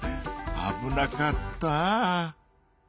あぶなかった。